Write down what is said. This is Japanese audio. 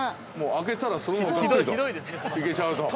◆開けたら、そのままがっつりといけちゃうと。